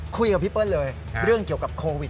คุยกับพี่เปิ้ลเลยเรื่องเกี่ยวกับโควิด